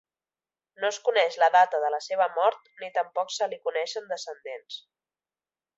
No es coneix la data de la seva mort ni tampoc se li coneixen descendents.